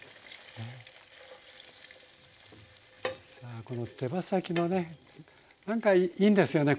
あこの手羽先のねなんかいいんですよね